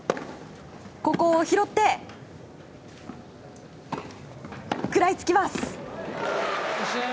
ここを拾って、食らいつきます。